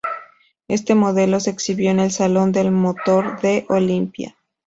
Este modelo se exhibió en el Salón del Motor del Olympia.